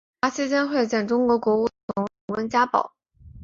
访华期间会见中国国务院总理温家宝。